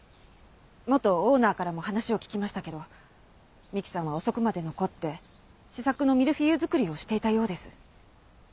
元オーナーからも話を聞きましたけど美希さんは遅くまで残って試作のミルフィーユ作りをしていたようです。